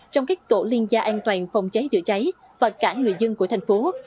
trong các tổ liên gia an toàn phòng cháy chữa cháy và cả người dân của thành phố